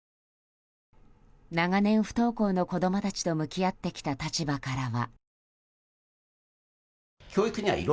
長年、不登校の子供たちと向き合ってきた立場からは。